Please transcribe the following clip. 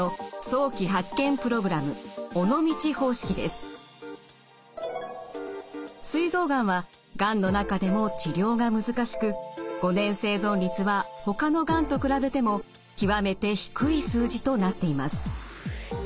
すい臓がんはがんの中でも治療が難しく５年生存率はほかのがんと比べても極めて低い数字となっています。